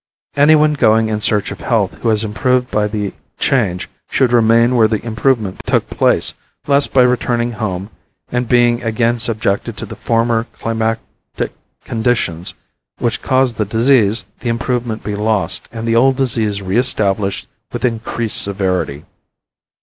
Anyone going in search of health who has improved by the change should remain where the improvement took place lest by returning home and being again subjected to the former climatic conditions which caused the disease the improvement be lost and the old disease re established with increased severity.